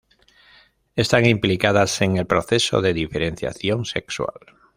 Están implicadas en el proceso de diferenciación sexual.